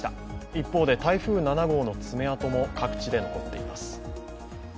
一方で台風７号の爪痕も各地で残っています。